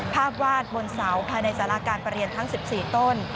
วาดบนเสาภายในสาราการประเรียนทั้ง๑๔ต้น